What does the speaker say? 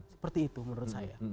seperti itu menurut saya